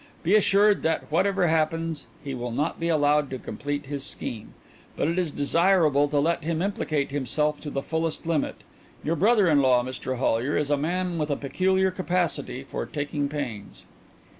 Be assured that whatever happens he will not be allowed to complete his scheme; but it is desirable to let him implicate himself to the fullest limit. Your brother in law, Mr Hollyer, is a man with a peculiar capacity for taking pains."